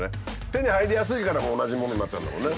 手に入りやすいから同じものになっちゃうんだもんね。